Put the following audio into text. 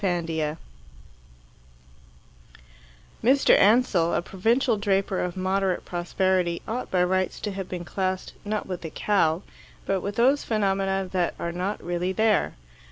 III Mr. Ansell, a provincial draper of moderate prosperity, ought by rights to have been classed not with the cow, but with those phenomena that are not really there.